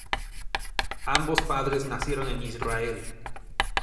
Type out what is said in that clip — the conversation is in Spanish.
Ambos padres nacieron en Israel.